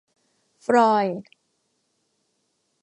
ฟลอยด์